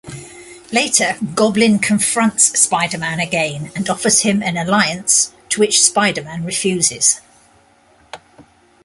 Later, Goblin confronts Spider-Man again and offers him an alliance to which Spider-Man refuses.